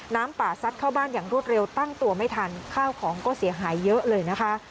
น้ำป่าซัดเข้าบ้านอย่างรวดเร็วตั้งตัวไม่ทันข้าวของก็เสียหายเยอะเลยนะคะ